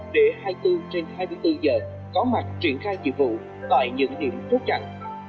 để hai mươi bốn trên hai mươi bốn giờ có mặt triển khai nhiệm vụ tại những điểm cốt chặn